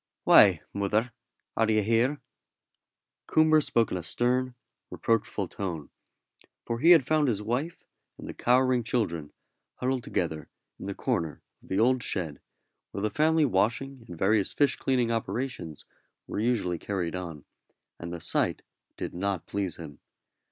"Why, mother, are you here?" Coomber spoke in a stern, reproachful tone, for he had found his wife and the cowering children huddled together in the corner of the old shed where the family washing and various fish cleaning operations were usually carried on; and the sight did not please him.